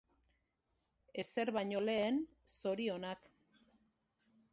Ezer baino lehen, zorionak.